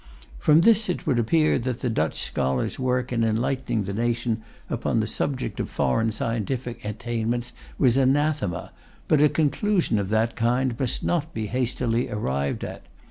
From this it would appear that the Dutch scholars' work in enlightening the nation upon the subject of foreign scientific attainments was anathema, but a conclusion of that kind must not be hastily arrived at.